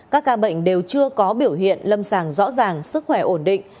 các ca bệnh đều chưa có biểu hiện lâm sàng rõ ràng sức khỏe ổn định